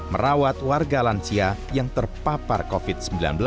merawat warga lansia yang terpapar covid sembilan belas